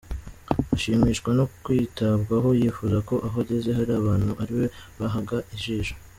Ashimishwa no kwitabwaho, yifuza ko aho ageze hari abantu ari we bahanga ijisho.